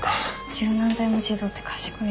柔軟剤も自動って賢い。